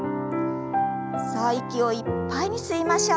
さあ息をいっぱいに吸いましょう。